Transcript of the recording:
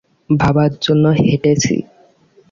ভাবার জন্য হেঁটেছি।